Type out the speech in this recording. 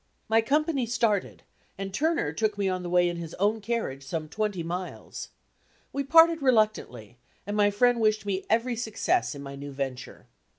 My company started and Turner took me on the way in his own carriage some twenty miles. We parted reluctantly and my friend wished me every success in my new venture.